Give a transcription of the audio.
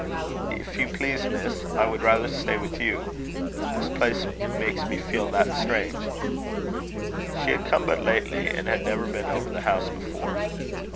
"If you please, Miss, I would rather stay with you. This place makes me feel that strange." She had come but lately, and had never been over the house before.